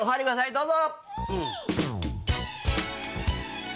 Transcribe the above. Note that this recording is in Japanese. どうぞ。